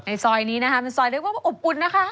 ซอยนี้นะคะเป็นซอยเรียกว่าอบอุ่นนะคะ